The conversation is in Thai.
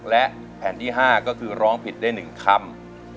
และแผ่นที่๕ก็คือร้องผิดได้๑คำ